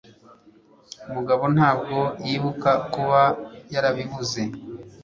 mugabo ntabwo yibuka kuba yarabivuze